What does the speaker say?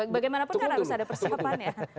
bagaimanapun kan harus ada persiapan ya